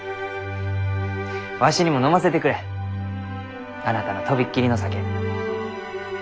わしにも飲ませてくれあなたの飛びっ切りの酒。